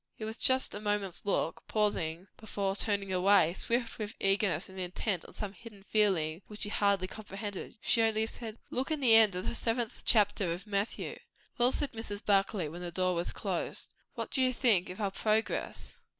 It was just a moment's look, pausing before turning away; swift with eagerness and intent with some hidden feeling which he hardly comprehended. She only said, "Look in the end of the seventh chapter of Matthew." "Well," said Mrs. Barclay, when the door was closed, "what do you think of our progress?"